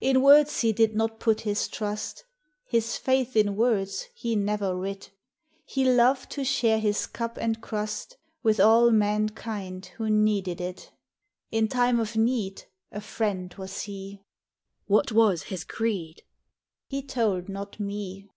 In words he did not put his trust; His faith in words he never writ; He loved to share his cup and crust W T ith all mankind who needed it. In time of need A friend was he. " What was his creed? " He told not me.